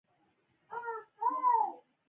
دوی دیوال ته مخامخ درېږي او ژاړي.